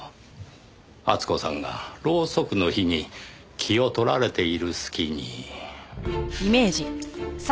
厚子さんがろうそくの火に気を取られている隙に。